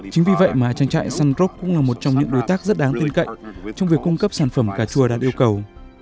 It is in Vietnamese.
chính vì vậy mà trang trại sundrop cũng là một trong những đối tác rất đáng tin cậy trong việc cung cấp sản phẩm cà chua đáng yêu cầu